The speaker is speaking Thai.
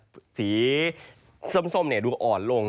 ภาคเหนือเย็นลงนะครับสีส้มดูอ่อนลง